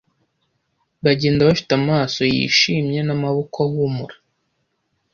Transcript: bagenda bafite amaso yishimye n'amaboko ahumura